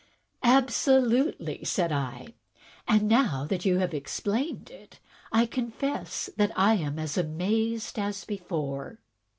"Absolutely!" said I. "And now that you have explained it, I confess that I am as amazed as before."